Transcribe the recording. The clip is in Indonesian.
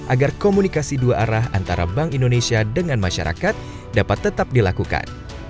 agar komunikasi dua arah antara bank indonesia dengan masyarakat dapat tetap dilakukan